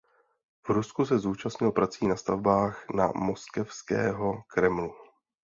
V Rusku se zúčastnil prací na stavbách na Moskevského kremlu.